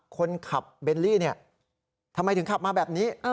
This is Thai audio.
คนขับเบลลี่เนี่ยทำไมถึงขับมาแบบนี้